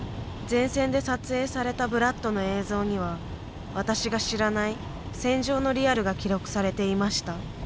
前線で撮影されたブラッドの映像には私が知らない戦場のリアルが記録されていました。